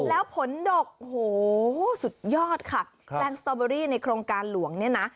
แล้วผลดกโอ้โหสุดยอดค่ะแปลงสตอเบอรี่ในโครงการหลวงเนี่ยนะ